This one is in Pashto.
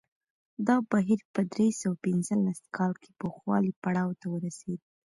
دا بهیر په درې سوه پنځلس کال کې پوخوالي پړاو ته ورسېد